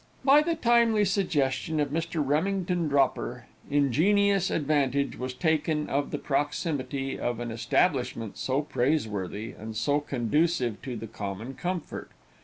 By the timely suggestion of Mr. Remington Dropper, ingenious advantage was taken of the proximity of an establishment so praiseworthy, and so conducive to the common comfort.